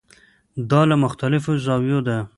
دا له مختلفو زاویو ده.